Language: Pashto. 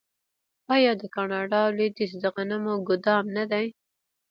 آیا د کاناډا لویدیځ د غنمو ګدام نه دی؟